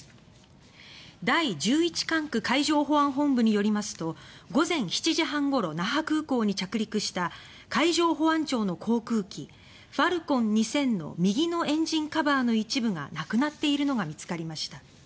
第１１管区海上保安本部によりますと午前７時半ごろ那覇空港に着陸した航空機「ファルコン２０００」の右のエンジンカバーの一部が無くなっているのが見つかりました。